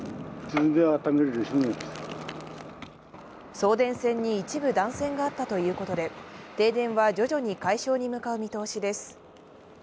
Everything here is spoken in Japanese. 送電線に一部、断線があったということで、停電は徐々に解消に向かう見通しです。